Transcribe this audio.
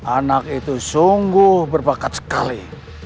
anak itu sungguh berbakat sekali